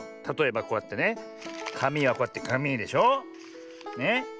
たとえばこうやってねかみはこうやってかみでしょ。ね。